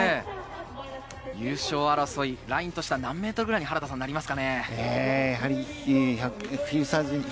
優勝争い、ラインとしては何メートルくらいになりそうですか？